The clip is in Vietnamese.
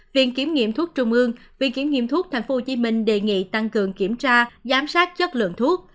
viện kiểm nghiệm thuốc trung ương viện kiểm nghiệm thuốc tp hcm đề nghị tăng cường kiểm tra giám sát chất lượng thuốc